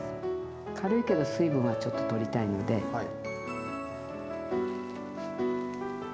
軽いけど水分はちょっと取りたいのではい。